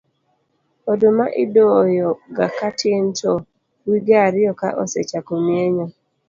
oduma idoyo ga katin to wige ariyo ka osechako mienyo